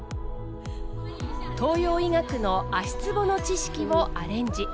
東洋医学の足つぼの知識をアレンジ。